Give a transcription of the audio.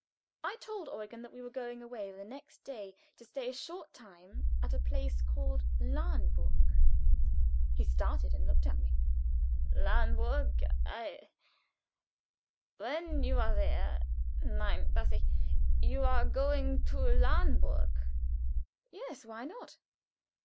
I told Eugen that we were going away the next day to stay a short time at a place called Lahnburg. He started and looked at me. "Lahnburg! I when you are there nein, das ist You are going to Lahnburg?" "Yes. Why not?"